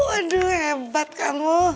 waduh hebat kamu